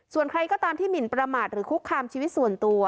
ส่วนใครก็ตามที่หมินประมาทหรือคุกคามชีวิตส่วนตัว